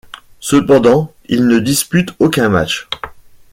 Cependant, il ne dispute aucun match.